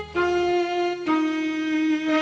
โชคดีคะ